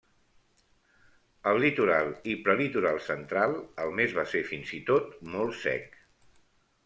Al Litoral i Prelitoral central el mes va ser fins i tot molt sec.